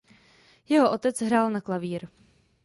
Jeho otec hrál na klavír.